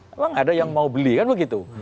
memang ada yang mau beli kan begitu